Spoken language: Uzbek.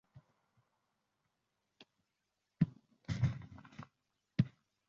Ammo, qaytib ketaman… Ayoz…